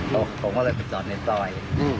ผมก็เลยไปจอดในซอย